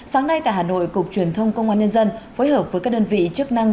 sáng nay tại hà nội cục truyền thông công an nhân dân phối hợp với các đơn vị chức năng